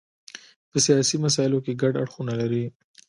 په سیاسي مسایلو کې ګډ اړخونه لري.